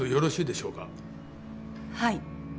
はい。